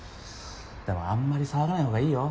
でもあんまり騒がないほうがいいよ